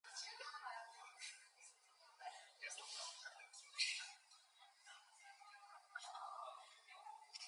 The method had been first devised and used at Hacking In Progress.